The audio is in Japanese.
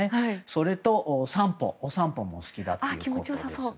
それと散歩も好きだということです。